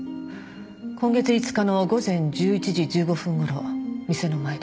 今月５日の午前１１時１５分頃店の前で。